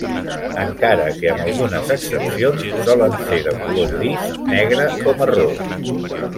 Encara que amb algunes excepcions, solen ser de color gris, negre o marró.